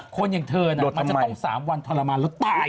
คนอย่างเธอน่ะมันจะต้อง๓วันทรมานแล้วตาย